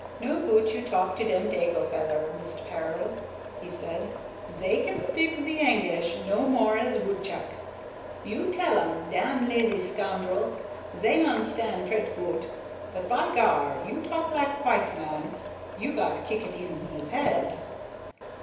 "No goot you talk to dem Dago feller, Mist Pearl," he said; "zey can spik ze Anglais no more as woodchuck. You tell 'em, 'dam lazy scoundrel,' zey onstan pret goot; but, by gar, you talk lak white man you got kick it in hees head."